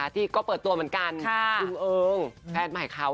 ที่ก็เปิดตัวเหมือนกัน